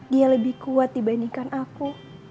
dia lebih kuat dibandingkan aku